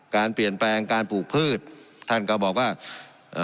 การเปลี่ยนแปลงการปลูกพืชท่านก็บอกว่าเอ่อ